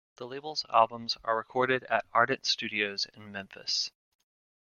The label's albums are recorded at Ardent Studios in Memphis.